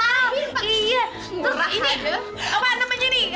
hah mana yang gatol mana sih ini